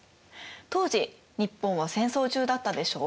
当時日本は戦争中だったでしょう？